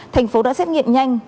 thành phố đã xét nghiệm nhanh